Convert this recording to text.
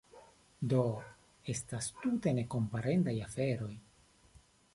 Do, estas tute nekomparendaj aferoj.